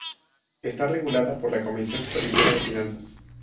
Está regulada por la Comisión Supervisora de Finanzas.